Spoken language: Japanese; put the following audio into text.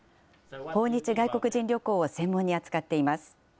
訪日外国人旅行を専門に扱っています。